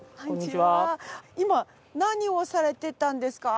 今何をされてたんですか？